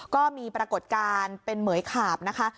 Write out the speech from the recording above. ปรากฏการณ์เป็นเหมือยขาบนะคะ